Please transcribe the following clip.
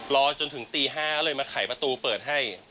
รอจนถึงตี๕ก็เลยมาไขประตูเปิดให้